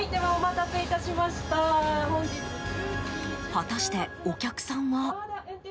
果たしてお客さんは？